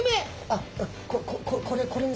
あっこれ